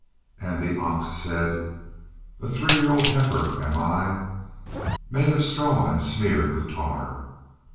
And the ox said: "A three year old heifer am I, made of straw and smeared with tar."